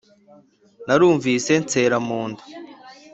Narumvise nsera mu nda